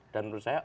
dan menurut saya